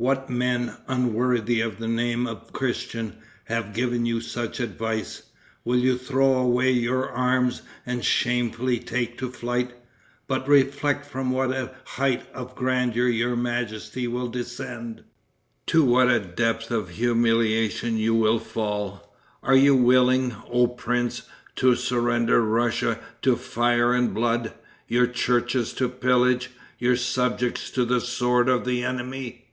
What men, unworthy of the name of Christian, have given you such advice? Will you throw away your arms and shamefully take to flight? But reflect from what a height of grandeur your majesty will descend; to what a depth of humiliation you will fall! Are you willing, oh prince, to surrender Russia to fire and blood, your churches to pillage, your subjects to the sword of the enemy?